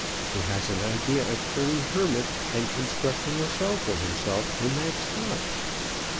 He has an idea of turning hermit, and constructing a cell for himself in that spot."